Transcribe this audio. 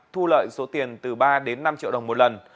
thu lợi số tiền từ ba đến năm triệu đồng một lần